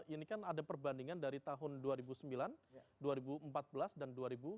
ini kan ada perbandingan dari tahun dua ribu sembilan dua ribu empat belas dan dua ribu sembilan belas